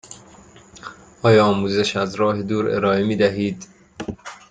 آیا آموزش از راه دور ارائه می دهید؟